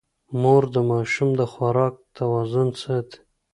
مور د ماشوم د خوراک توازن ساتي.